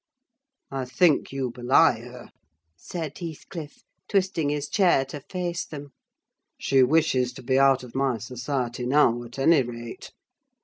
"I think you belie her," said Heathcliff, twisting his chair to face them. "She wishes to be out of my society now, at any rate!"